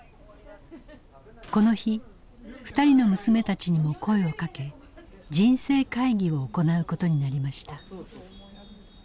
この日２人の娘たちにも声をかけ人生会議を行うことになりました。